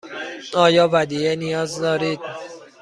آیا ودیعه نیاز دارید؟